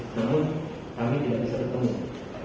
namun kami tidak bisa ketemu